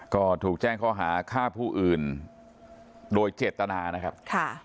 ก็ถูกแจ้งข้อหาฆ่าผู้อื่นโดยเจตนานะครับ